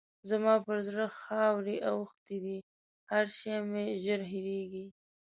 زما پر زړه خاورې اوښتې دي؛ هر شی مې ژر هېرېږي.